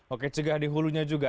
oke cegah di hulunya juga